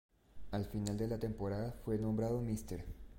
Al final de la temporada fue nombrado "Mr.